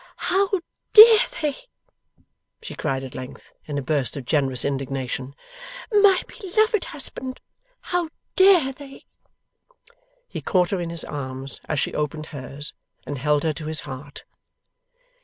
'How dare they!' she cried at length, in a burst of generous indignation. 'My beloved husband, how dare they!' He caught her in his arms as she opened hers, and held her to his heart.